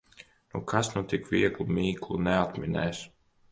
Nu, kas nu tik vieglu mīklu neatminēs!